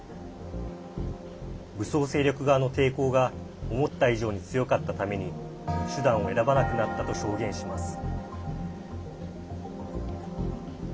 武装勢力側の抵抗が思った以上に強かったために手段を選ばなくなったと証言します。